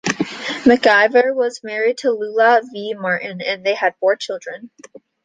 McIver was married to Lula V. Martin and they had four children.